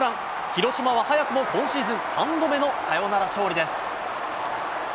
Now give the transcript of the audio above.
広島は早くも今シーズン３度目のサヨナラ勝利です。